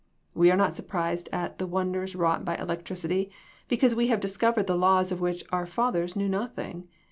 We are not surprised at the wonders wrought by elec tricity because we have discovered laws of which our fathers knew nothing.